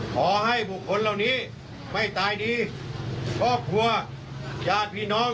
ขอให้บุคคลเหล่านี้ไม่ตายดีครอบครัวญาติพี่น้อง